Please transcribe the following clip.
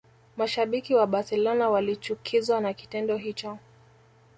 Mashabiki wa Barcelona walichukizwa na kitendo hicho